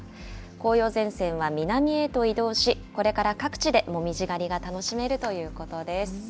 紅葉前線は南へと移動し、これから各地で紅葉狩りが楽しめるということです。